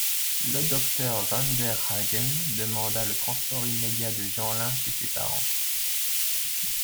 Le docteur Vanderhaghen demanda le transport immédiat de Jeanlin chez ses parents.